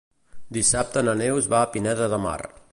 Dissabte na Neus va a Pineda de Mar.